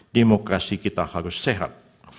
demokrasi kita harus sehat